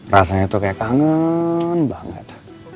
rasanya tuh kayak kangen banget